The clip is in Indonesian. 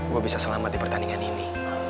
gue bisa selamat di pertandingan ini